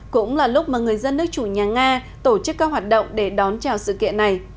cũng là lúc mà người dân nước chủ nhà nga tổ chức các hoạt động để đón chào sự kiện này